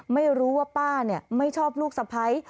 ไม่รู้ว่าป้าเนี่ยไม่ชอบลูกสะไพร